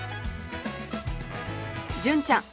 純ちゃん